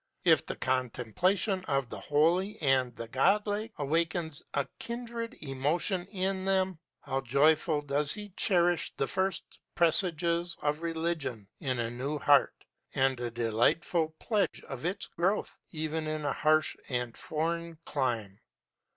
If the contemplation of the Holy and the Godlike awakens a kindred emotion in them, how joyfully does he cherish the first presages of religion in a new heart, as a delightful pledge of its growth even in a harsh and foreign clime!